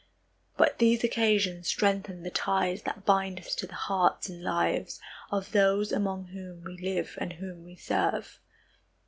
But these occasions strengthen the ties that bind us to the hearts and lives of those among whom we live and whom we serve.